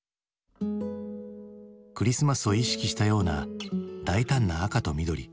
クリスマスを意識したような大胆な赤と緑。